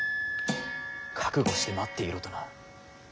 覚悟して待っていろとな。